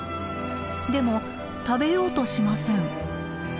でも食べようとしません。